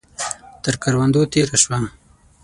تر کروندو تېره شوه.